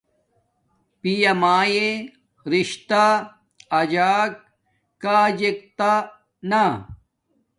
پیا میے رشتہ اجک کاجک تا نا